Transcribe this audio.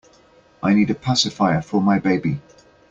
I need a pacifier for my baby.